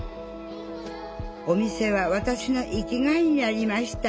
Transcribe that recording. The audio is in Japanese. お店はわたしの生きがいになりました